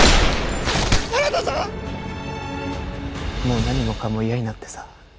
もう何もかも嫌になってさ。